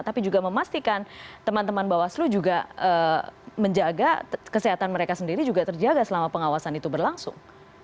tapi juga memastikan teman teman bawaslu juga menjaga kesehatan mereka sendiri juga terjaga selama pengawasan itu berlangsung